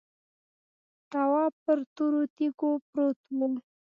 تواب پر تورو تیږو پروت و.